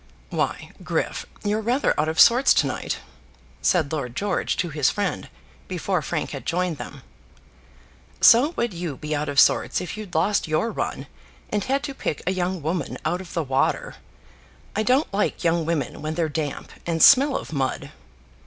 "Why, Griff, you're rather out of sorts to night," said Lord George to his friend, before Frank had joined them. "So would you be out of sorts if you'd lost your run and had to pick a young woman out of the water. I don't like young women when they're damp and smell of mud."